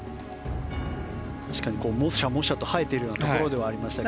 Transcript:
確かに、もしゃもしゃと生えているようなところではありましたが。